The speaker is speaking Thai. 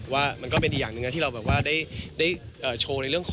ว่ามันเป็นอย่างเรื่องที่เหลือกับถ้าร่วมมาก